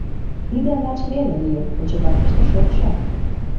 Тиде лач веле лие: кочегаркыште шокшо.